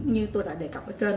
như tôi đã đề cập ở trên